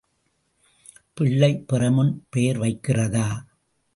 பிள்ளை பெறுமுன் பெயர் வைக்கிறதா?